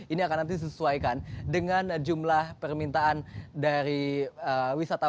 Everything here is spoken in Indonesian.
ini akan nanti disesuaikan dengan jumlah permintaan dari wisatawan